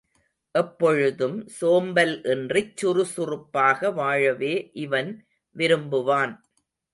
எப்பொழுதும் சோம்பல் இன்றிச் சுறுசுறுப்பாக வாழவே இவன் விரும்புவான்.